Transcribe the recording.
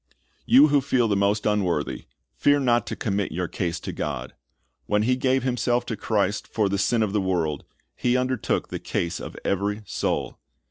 You who feel the most unworthy, fear not to commit your case to God. When He gave Himself in Christ for the sin of the world, He undertook the case of every soul.